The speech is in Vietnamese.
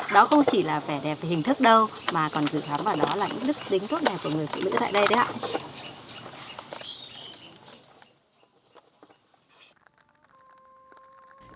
đó không chỉ là vẻ đẹp về hình thức đâu mà còn gửi khám vào đó là những đức tính tốt đẹp của người phụ nữ tại đây đấy ạ